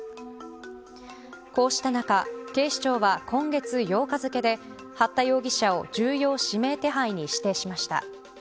こうした中、警視庁は今月８日付で八田容疑者を、重要指名手配に指定しました。